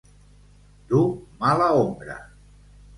Dur mala ombra.